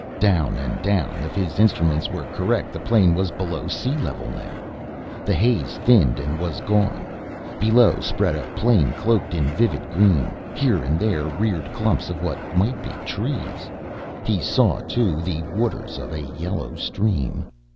Down and down. If his instruments were correct the plane was below sea level now. The haze thinned and was gone. Below spread a plain cloaked in vivid green. Here and there reared clumps of what might be trees. He saw, too, the waters of a yellow stream.